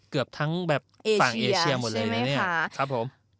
เกือบทั้งฝั่งเอเชียหมดเลยนะเนี่ย